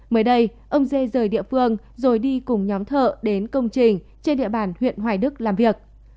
mới đây ông dê rời địa phương rồi đi cùng nhóm thợ đến công trình trên địa bàn huyện hoài đức làm việc